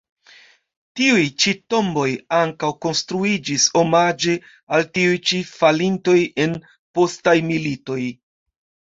Tiuj ĉi tomboj ankaŭ konstruiĝis omaĝe al tiuj ĉi falintoj en postaj militoj.